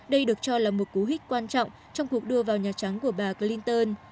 đây được cho là một cú hích quan trọng trong cuộc đua vào nhà trắng của bà clinton